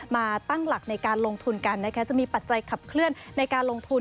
มาตั้งหลักในการลงทุนกันนะคะจะมีปัจจัยขับเคลื่อนในการลงทุน